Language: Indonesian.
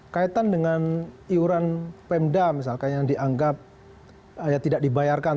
kaitan dengan iuran pemda misalkan yang dianggap tidak dibayarkan